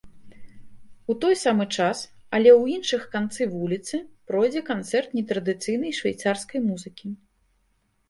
У той самы час, але ў іншых канцы вуліцы пройдзе канцэрт нетрадыцыйнай швейцарскай музыкі.